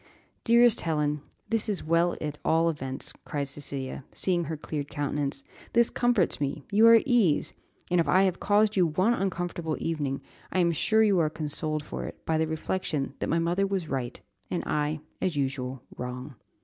"Dearest Helen, this is well at all events," cried Cecilia, seeing her cleared countenance. "This comforts me; you are at ease; and, if I have caused you one uncomfortable evening, I am sure you are consoled for it by the reflection that my mother was right, and I, as usual, wrong.